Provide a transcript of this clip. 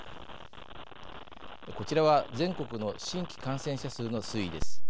こちらは全国の新規感染者数の推移です。